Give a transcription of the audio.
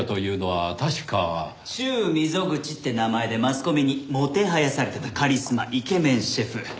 シュウ・ミゾグチって名前でマスコミにもてはやされてたカリスマイケメンシェフ。